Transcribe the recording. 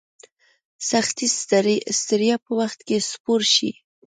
سختي ستړیا په وخت کې سپور شي.